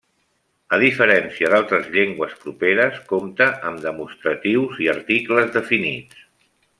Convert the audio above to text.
A diferència d'altres llengües properes, compta amb demostratius i articles definits.